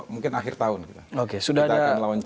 mungkin akhir tahun